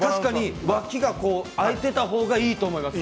確かに脇が開いていた方がいいと思います。